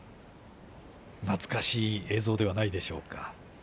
懐かしい映像ではないでしょうか。